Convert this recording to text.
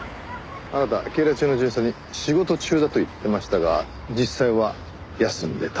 あなた警ら中の巡査に仕事中だと言ってましたが実際は休んでた。